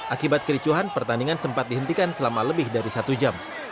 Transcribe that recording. akibat kericuhan pertandingan sempat dihentikan selama lebih dari satu jam